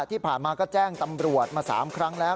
ที่ผ่านมาก็แจ้งตำรวจมา๓ครั้งแล้ว